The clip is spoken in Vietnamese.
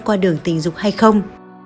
qua đường tình dục hay không